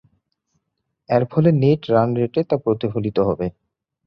এরফলে net run রেটে তা প্রতিফলিত হবে।